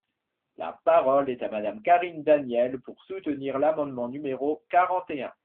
La parole est à Madame Karine Daniel, pour soutenir l’amendement numéro quarante et un.